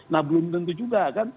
nah belum tentu juga kan